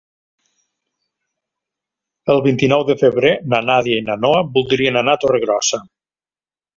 El vint-i-nou de febrer na Nàdia i na Noa voldrien anar a Torregrossa.